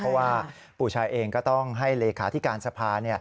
เพราะว่าปู่ชายเองก็ต้องให้เลขาธิการสภา